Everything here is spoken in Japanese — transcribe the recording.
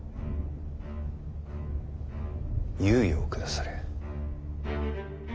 猶予を下され。